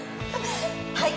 はい！